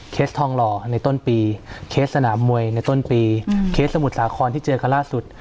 ทองหล่อในต้นปีเคสสนามมวยในต้นปีเคสสมุทรสาครที่เจอกันล่าสุด